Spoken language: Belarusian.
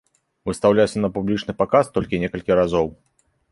Выстаўляўся на публічны паказ толькі некалькі разоў.